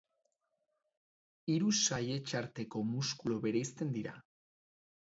Hiru saihetsarteko muskulu bereizten dira.